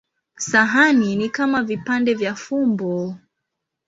Sahani ni kama vipande vya fumbo.